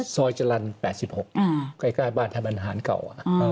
ซอยจรรย์๘๖ใกล้บ้านทะบันฮานเก่า